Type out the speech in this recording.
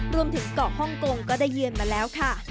สเกาะฮ่องกงก็ได้เยือนมาแล้วค่ะ